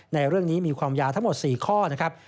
ในเรื่องนี้มีความยาวทั้งหมด๔ข้อนะครับ